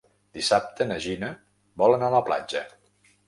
Dissabte na Gina vol anar a la platja.